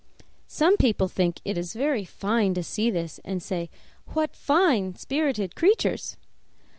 Some people think it very fine to see this, and say, "What fine spirited creatures!"